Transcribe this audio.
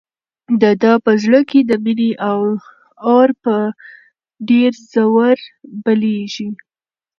د ده په زړه کې د مینې اور په ډېر زور بلېږي.